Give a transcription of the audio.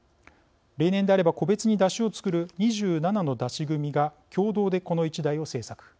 例年であれば、個別に山車を作る２７の山車組が共同でこの１台を製作。